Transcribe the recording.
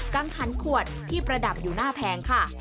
ังขันขวดที่ประดับอยู่หน้าแพงค่ะ